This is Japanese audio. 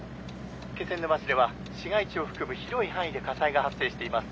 気仙沼市では市街地を含む広い範囲で火災が発生しています。